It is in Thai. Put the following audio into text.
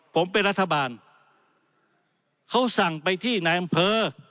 ผมเป็นรัฐบาลเขาสั่งไปที่นายอำเภอ